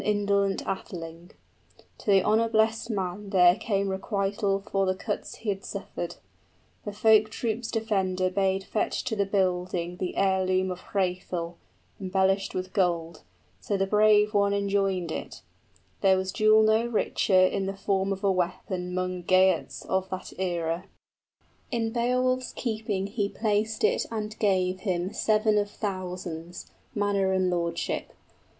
} An indolent atheling: to the honor blest man there Came requital for the cuts he had suffered. 45 The folk troop's defender bade fetch to the building The heirloom of Hrethel, embellished with gold, {Higelac overwhelms the conqueror with gifts.} So the brave one enjoined it; there was jewel no richer In the form of a weapon 'mong Geats of that era; In Beowulf's keeping he placed it and gave him 50 Seven of thousands, manor and lordship.